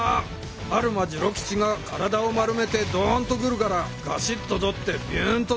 アルマ次郎吉が体を丸めてドンと来るからガシッととってビュンとなげる。